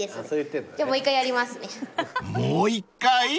［もう１回？］